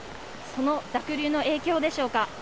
その濁流の影響でしょうか。